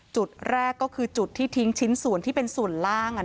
จุดแรกก็คือจุดที่ทิ้งชิ้นส่วนที่เป็นส่วนล่าง